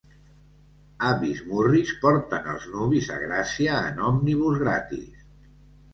Avis murris porten els nuvis a Gràcia en òmnibus gratis.